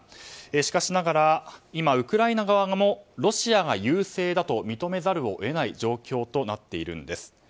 しかしながら、今ウクライナ側もロシアが優勢だと認めざるを得ない状況となっているんです。